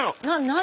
何？